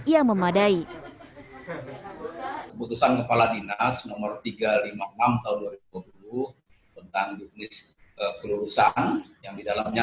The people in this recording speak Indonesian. yang memadai keputusan kepala dinas nomor tiga ratus lima puluh enam tahun dua ribu dua puluh tentang juknis kelulusan yang didalamnya